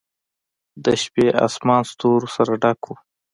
د شپې آسمان ستورو سره ډک و.